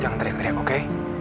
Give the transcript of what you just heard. jangan teriak teriak oke